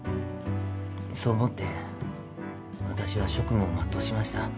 そう思って私は職務を全うしました。